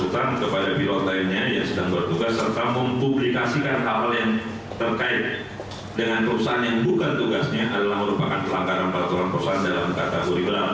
kami telah mempublikasikan hal yang terkait dengan perusahaan yang bukan tugasnya adalah merupakan pelanggaran peraturan perusahaan dalam kata buri belal